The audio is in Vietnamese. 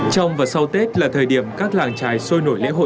trong và sau tết là thời điểm các làng trái sôi nổi lễ hội truyền thống